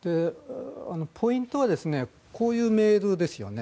ポイントはこういうメールですよね。